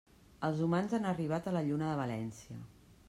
Els humans han arribat a la Lluna de València.